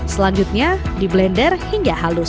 selanjutnya diblender hingga halus